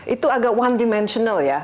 itu agak one dimentional ya